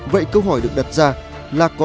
vậy câu hỏi được đặt ra là có sức khỏe không